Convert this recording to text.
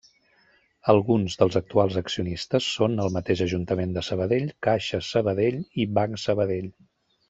Alguns dels actuals accionistes són el mateix Ajuntament de Sabadell, Caixa Sabadell i Banc Sabadell.